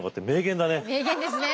名言ですね。